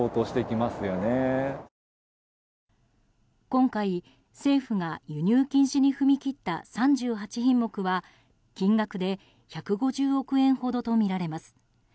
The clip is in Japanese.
今回、政府が輸入禁止に踏み切った３８品目は金額で１５０億円ほどとみられます。